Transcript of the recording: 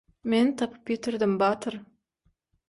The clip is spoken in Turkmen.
Men tapyp ýitirdim, batyr.